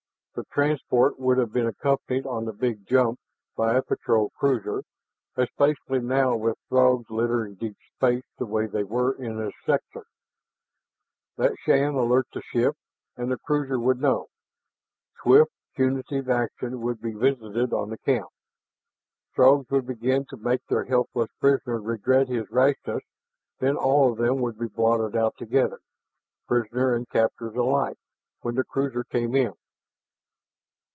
The transport would have been accompanied on the big jump by a patrol cruiser, especially now with Throgs littering deep space the way they were in this sector. Let Shann alert the ship, and the cruiser would know; swift punitive action would be visited on the camp. Throgs could begin to make their helpless prisoner regret his rashness; then all of them would be blotted out together, prisoner and captors alike, when the cruiser came in.